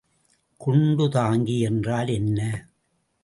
குண்டுத்தாங்கி என்றால் என்ன?